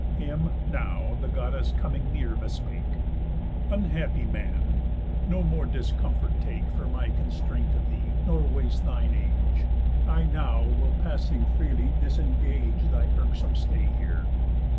Him, now, the Goddess coming near bespake: "Unhappy man, no more discomfort take For my constraint of thee, nor waste thine age, I now will passing freely disengage Thy irksome stay here.